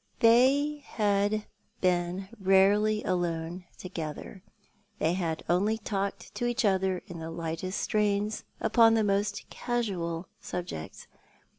They had been rarely alone together ; they had only talked to each other in the lightest strains upon the most casual sxil>jccts.